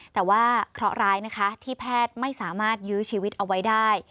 แต่ว่าเคราะห์ร้ายนะคะที่แพทย์ไม่สามารถยื้อชีวิตเอาไว้ได้